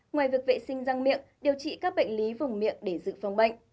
ngoài việc vệ sinh răng miệng điều trị các bệnh lý vùng miệng để dự phòng bệnh